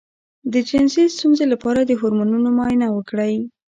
د جنسي ستونزې لپاره د هورمونونو معاینه وکړئ